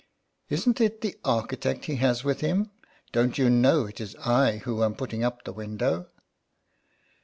" Isn't it the architect he has with him ? Don't you know it is I who am putting up the window